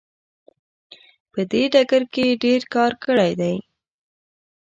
په دې ډګر کې یې ډیر کار کړی دی.